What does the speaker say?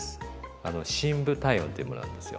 あの深部体温っていうものなんですよ。